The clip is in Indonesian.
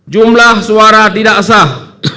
jumlah suara tidak sah